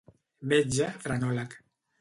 Metge frenòleg.